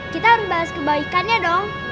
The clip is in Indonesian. kita harus bahas kebaikannya dong